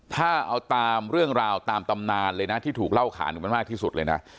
ถ้าเอาตามเรื่องราวตามตำนานเลยนะที่ถูกเล่าขาหนูมันมากที่สุดเลยนะ